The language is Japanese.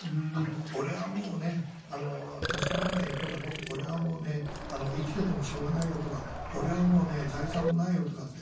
「俺はもうね助からないよ」とかね「俺はもうね生きていてもしょうがないよ」とか「俺はもうね財産もないよ」とかっていじけている。